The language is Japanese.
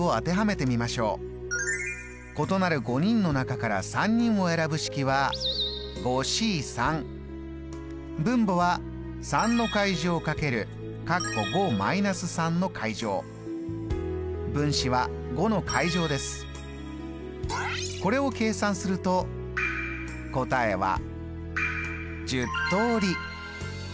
異なる５人のなかから３人を選ぶ式は分母は分子はこれを計算すると答えは１０通り。